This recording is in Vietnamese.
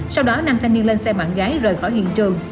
sau đó nam thanh niên lên xe bạn gái rời khỏi hiện trường